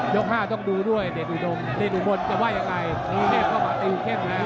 ยก๕ต้องดูด้วยเด็กอุบรณ์จะไหว้ยังไงดีเมฆเข้ามาตรีเก็บแล้ว